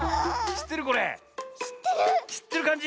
しってるかんじ？